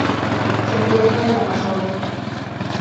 Se encuentra en la Amazonia.